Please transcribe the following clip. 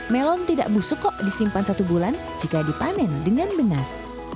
melon tidak busuk kok disimpan satu bulan jika dipanen dengan benar